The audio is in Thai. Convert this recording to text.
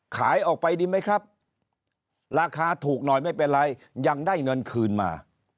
ขายออกไปดีไหมครับราคาถูกหน่อยไม่เป็นไรยังได้เงินคืนมา